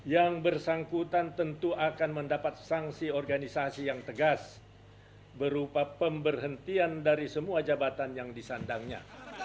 yang bersangkutan tentu akan mendapat sanksi organisasi yang tegas berupa pemberhentian dari semua jabatan yang disandangnya